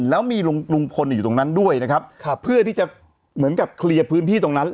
แล้วมีลุงพลอยู่ตรงนั้นด้วยนะครับเพื่อที่จะเหมือนกับเคลียร์พื้นที่ตรงนั้น